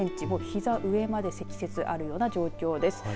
もう、ひざ上まで積雪あるような状況です。